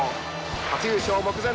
初優勝目前。